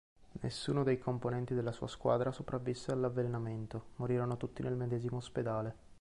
Nessuno dei componenti della sua squadra sopravvisse all'avvelenamento: morirono tutti nel medesimo ospedale.